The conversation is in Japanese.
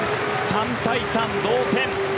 ３対３、同点。